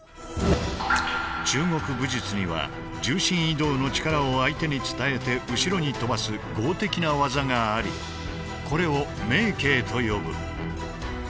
中国武術には重心移動の力を相手に伝えて後ろに飛ばす剛的な技がありこれを明勁と呼ぶ。